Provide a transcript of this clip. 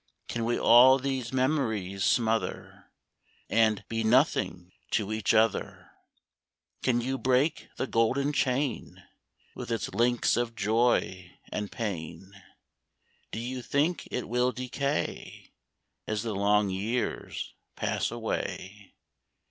Can we all these memories smother. And " be nothing to each other "? 103 A FARTING. Can you break the golden chain With its links of joy and pain? Do you think it will decay As the long years pass away